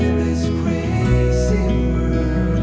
เราอยู่ในความตาย